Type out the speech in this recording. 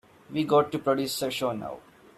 We've got to produce a show now.